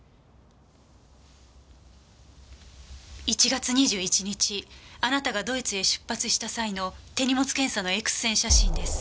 １月２１日あなたがドイツへ出発した際の手荷物検査のＸ線写真です。